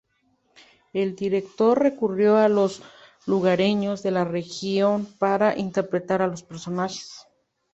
El director recurrió a los lugareños de la región para interpretar a los personajes